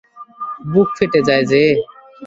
বুক ফেটে যায় যে!